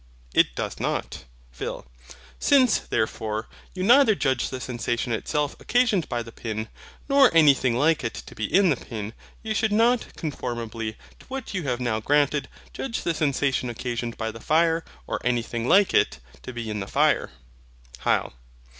HYL. It doth not. PHIL. Since, therefore, you neither judge the sensation itself occasioned by the pin, nor anything like it to be in the pin; you should not, conformably to what you have now granted, judge the sensation occasioned by the fire, or anything like it, to be in the fire. HYL.